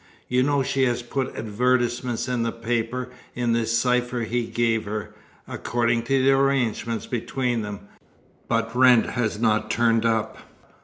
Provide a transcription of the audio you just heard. You know she has put advertisements in the papers in the cypher he gave her according to the arrangement between them but Wrent has not turned up."